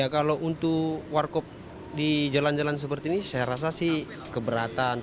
kalau untuk warung kopi di jalan jalan seperti ini saya rasa keberatan